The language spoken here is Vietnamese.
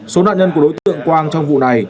số nạn nhân của đối tượng quang trong vụ này